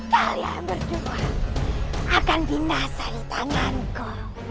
kalian berdua akan dinasari tanganku